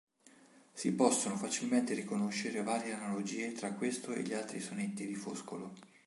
Si possono facilmente riconoscere varie analogie tra questo e gli altri sonetti di Foscolo.